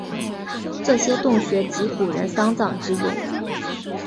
这些洞穴即古人丧葬之用。